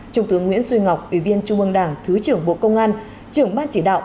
trung tướng nguyễn duy ngọc ủy viên trung ương đảng thứ trưởng bộ công an trưởng ban chỉ đạo